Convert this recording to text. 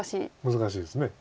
難しいです。